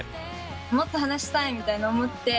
もっと話したいみたいに思って。